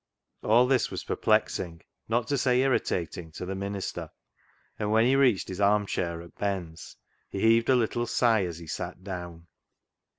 All this was peiplexing, not to say irritating, to the minister, anil when he reached his arm chaii at lun's, he hea\ed a little sigh as he sat ilow n.